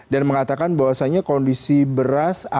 dan mengatakan bahwasanya kondisi beras amat